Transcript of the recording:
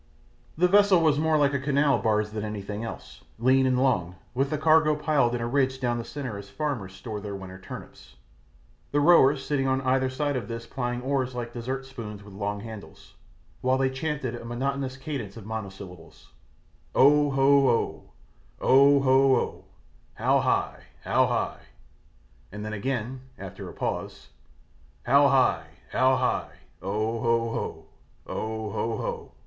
The vessel was more like a canal barge than anything else, lean and long, with the cargo piled in a ridge down the centre as farmers store their winter turnips, the rowers sitting on either side of this plying oars like dessert spoons with long handles, while they chanted a monotonous cadence of monosyllables: Oh, ho, oh, Oh, ho, oh, How high, how high. and then again after a pause How high, how high Oh, ho, oh, Oh, ho, oh.